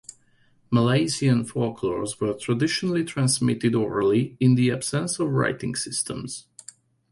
Malaysian folklores were traditionally transmitted orally in the absence of writing systems.